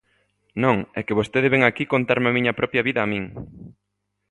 Non, é que vostede vén aquí contarme a miña propia vida a min.